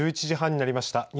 １１時半になりました。